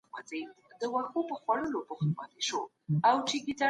د ټولنیز نظم مسله نن هم مهمه ده.